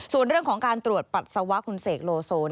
ส่วนเรื่องของการตรวจปัสสาวะคุณเสกโลโซ